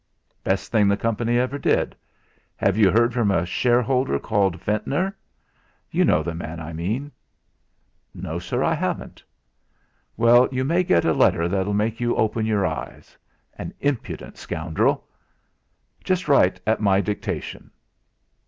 "Best thing the company ever did. Have you heard from a shareholder called Ventnor. You know the man I mean?" "No, sir. I haven't." "Well! You may get a letter that'll make you open your eyes. An impudent scoundrel! Just write at my dictation."